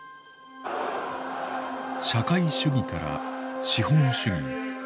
社会主義から資本主義へ。